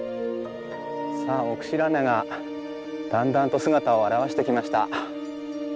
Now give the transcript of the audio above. さあ奥白根がだんだんと姿を現してきました。